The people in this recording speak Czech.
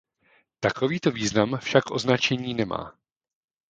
Takovýto význam však označení nemá.